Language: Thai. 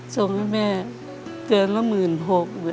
ส่งให้แม่เดือนละ๑๖๐๐๐บาท